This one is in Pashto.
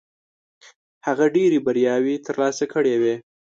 هغه ډېرې بریاوې ترلاسه کړې وې.